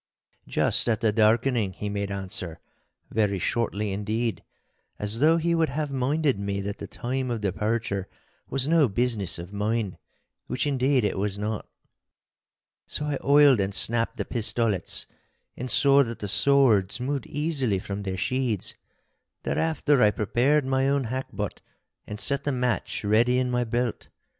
'Just at the darkening,' he made answer, very shortly indeed, as though he would have minded me that the time of departure was no business of mine—which, indeed, it was not. So I oiled and snapped the pistolets, and saw that the swords moved easily from their sheaths. Thereafter I prepared my own hackbutt and set the match ready in my belt.